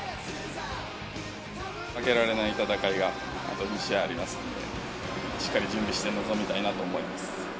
負けられない戦いがあと２試合ありますんで、しっかり準備して臨みたいなと思います。